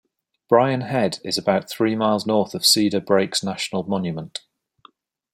Brian Head is about three miles north of Cedar Breaks National Monument.